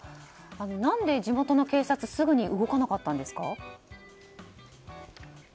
何で地元の警察はすぐに動かなかったんですか？